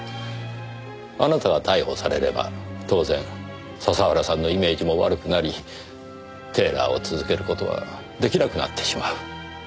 あなたが逮捕されれば当然笹原さんのイメージも悪くなりテーラーを続ける事は出来なくなってしまう。